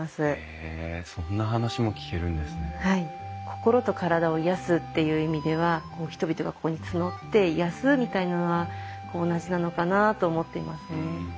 心と体を癒やすっていう意味では人々がここにつどって癒やすみたいなのは同じなのかなと思っていますね。